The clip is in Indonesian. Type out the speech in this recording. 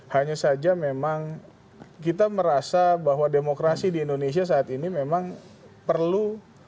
hanya saja memang kita merasa bahwa demokrasi di indonesia saat ini memang perlu